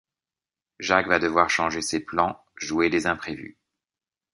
Jacques va devoir changer ses plans, jouer des imprévus.